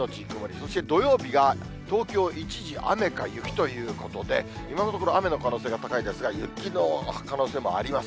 そして土曜日が東京、一時雨か雪ということで、今のところ、雨の可能性が高いですが、雪の可能性もあります。